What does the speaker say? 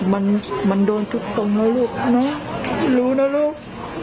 มันมันโดนทุกตรงน่ะลูกน่ะรู้น่ะลูก